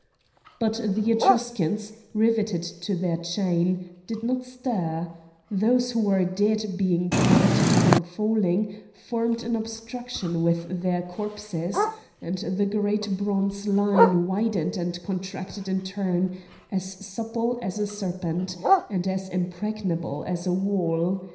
But the Etruscans, riveted to their chain, did not stir; those who were dead, being prevented from falling, formed an obstruction with their corpses; and the great bronze line widened and contracted in turn, as supple as a serpent, and as impregnable as a wall.